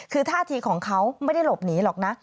คือท่าทีของเขาไม่ได้หลบหนีหรอกนะ